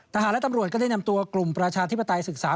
ทหารและตำรวจก็ได้นำตัวกลุ่มประชาธิปไตยศึกษา